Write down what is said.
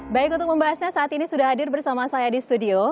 baik untuk membahasnya saat ini sudah hadir bersama saya di studio